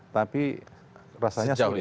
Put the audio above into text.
tapi rasanya sulit